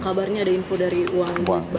ada info dari uang